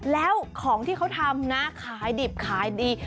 แล้วของที่เขาทำนะขายดิบขายดี